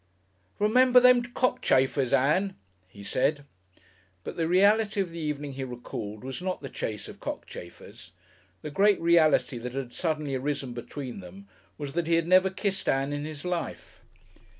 "Remember them cockchafers, Ann?" he said. But the reality of the evening he recalled was not the chase of cockchafers. The great reality that had suddenly arisen between them was that he had never kissed Ann in his life.